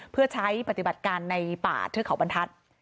เพื่อใช้ปฏิบัติการในป่าเทือกเขาบรรทัศน์